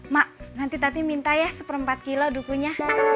mak nanti tati minta ya seperempat kilo dukunya